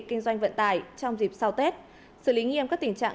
kinh doanh vận tải trong dịp sau tết xử lý nghiêm các tình trạng